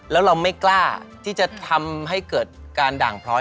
แล้วเราไม่กล้าที่จะทำให้เกิดการด่างพร้อย